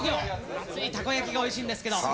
熱いたこ焼きがおいしいんですけど。